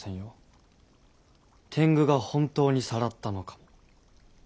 天狗が本当にさらったのかも。